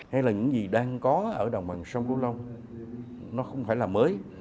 hay là những gì đang có ở đồng bằng sông cửu long nó không phải là mới